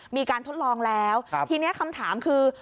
มีการทดลองแล้วทีนี้คำถามคือ